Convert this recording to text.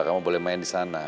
kamu boleh main di sana